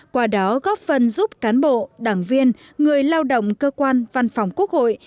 qua đó góp phần giúp cán bộ đảng viên người lao động cơ quan văn phòng quốc hội